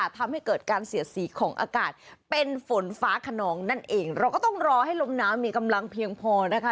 ทำให้เกิดการเสียสีของอากาศเป็นฝนฟ้าขนองนั่นเองเราก็ต้องรอให้ลมน้ำมีกำลังเพียงพอนะคะ